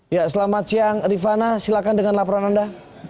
ya selamat siang rifana silakan dengan laporan anda